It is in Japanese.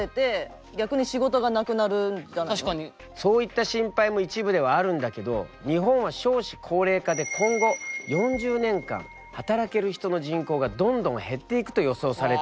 そういった心配も一部ではあるんだけど日本は少子高齢化で今後４０年間働ける人の人口がどんどん減っていくと予想されているんだ。